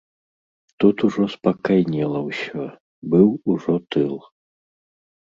Тут ужо спакайнела ўсё, быў ужо тыл.